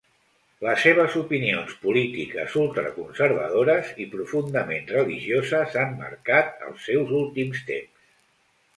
Les seves opinions polítiques ultra conservadores i profundament religioses han marcat els seus últims temps.